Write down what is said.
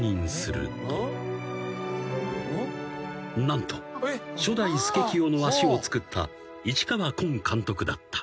［何と初代スケキヨの足を作った市川崑監督だった］